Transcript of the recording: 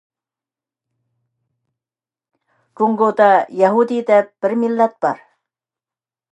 جۇڭگودا «يەھۇدىي» دەپ بىر مىللەت بار.